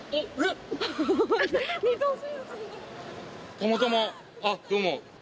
たまたま、あ、どうも。